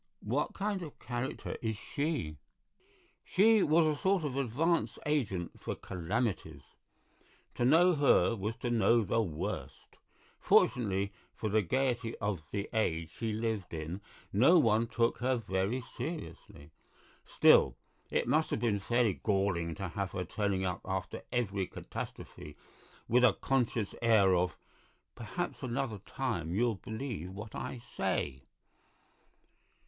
What kind of character is she?" "She was a sort of advance agent for calamities. To know her was to know the worst. Fortunately for the gaiety of the age she lived in, no one took her very seriously. Still, it must have been fairly galling to have her turning up after every catastrophe with a conscious air of 'perhaps another time you'll believe what I say.'"